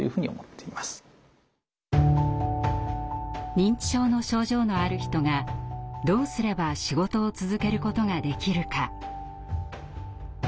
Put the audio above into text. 認知症の症状のある人がどうすれば仕事を続けることができるか？